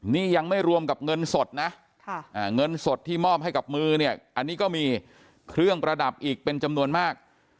นี่ยังไม่รวมกับเงินสดนะเงินสดที่มอบให้กับมือเนี่ยอันนี้ก็มีเครื่องประดับอีกเป็นจำนวนมาก